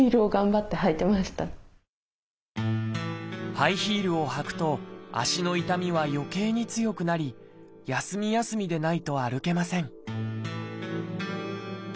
ハイヒールを履くと足の痛みはよけいに強くなり休み休みでないと歩けません